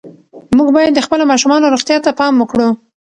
موږ باید د خپلو ماشومانو روغتیا ته پام وکړو.